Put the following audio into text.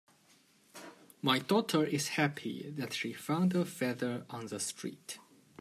My daughter is happy that she found a feather on the street.